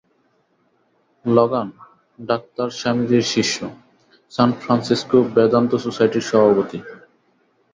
Logan, doctor স্বামীজীর শিষ্য, San Francisco Vedanta সোসাইটির সভাপতি।